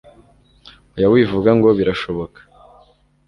hoya wivuga ngo birashoboka